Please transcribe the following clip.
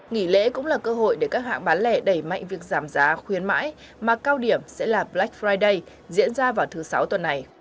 nghỉ lễ cũng là cơ hội để các hãng bán lẻ đẩy mạnh việc giảm giá khuyến mãi mà cao điểm sẽ là black friday diễn ra vào thứ sáu tuần này